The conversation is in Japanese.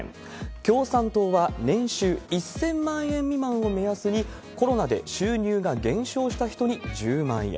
共産党は年収１０００万円未満を目安に、コロナで収入が減少した人に１０万円。